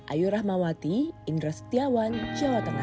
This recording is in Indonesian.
ayurahmawati indra setiawan jawa tengah